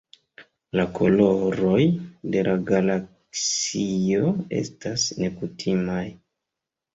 La koloroj de la galaksioj estas nekutimaj.